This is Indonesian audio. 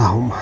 gak tau mah